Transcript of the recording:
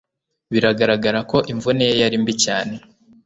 Bigaragara ko imvune ye yari mbi cyane